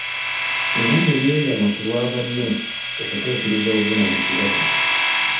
Era ne yeeyama ku lwa banne okutuukirizza obuvunanyizibwa buno.